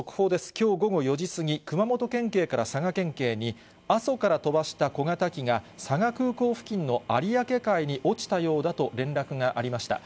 きょう午後４時過ぎ、熊本県警から佐賀県警に、阿蘇から飛ばした小型機が、佐賀空港付近の有明海に落ちたようだと連絡がありました。